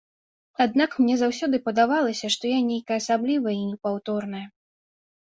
Аднак мне заўсёды падавалася, што я нейкая асаблівая і непаўторная.